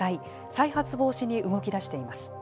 再発防止に動きだしています。